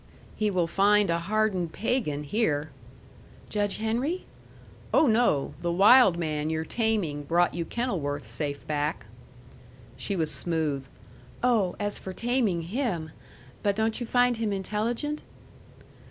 "He will find a hardened pagan here." "Judge Henry?" "Oh, no! The wild man you're taming brought you Kenilworth safe back." She was smooth. "Oh, as for taming him! But don't you find him intelligent?"